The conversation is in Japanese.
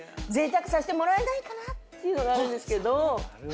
ぜいたくさせてもらえないかなっていうのがあるんですけど。